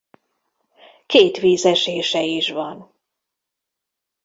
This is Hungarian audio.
Két vízesése is van.